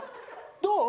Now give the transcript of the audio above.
どう？